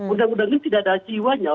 undang undang ini tidak ada jiwanya